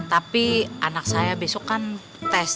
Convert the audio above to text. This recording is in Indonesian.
tapi anak saya besok kan tes